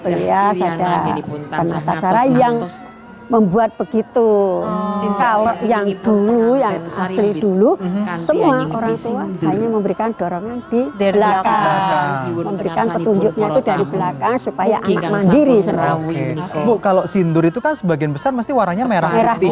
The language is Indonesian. itu dari belakang supaya anak mandiri kalau sindur itu kan sebagian besar mesti warna merah